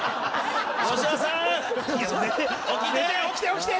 起きて！